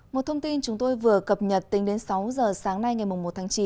một thông tin chúng tôi vừa cập nhật tính đến sáu giờ sáng nay ngày một tháng chín